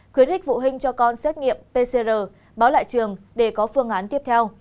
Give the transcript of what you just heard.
khuyến khích phụ huynh cho con xét nghiệm pcr báo lại trường để có phương án tiếp theo